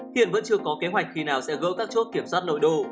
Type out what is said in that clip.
hiện vẫn chưa có kế hoạch khi nào sẽ gỡ các chốt kiểm soát nội đô